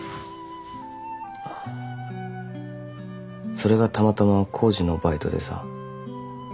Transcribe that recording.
それがたまたま工事のバイトでさ。